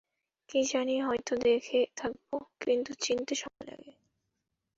কী জানি, হয়তো দেখে থাকব, কিন্তু চিনতে সময় লাগে।